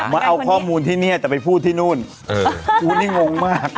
อ๋อมาเอาข้อมูลที่เนี่ยแต่ไปพูดที่นู่น